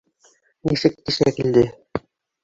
Нисек кисә килде?